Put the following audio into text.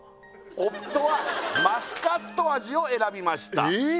「夫はマスカット味を選びました」えっ？